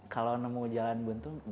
kalau nemu jalan buntu jangan